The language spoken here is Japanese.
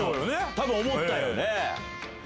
多分思ったよね。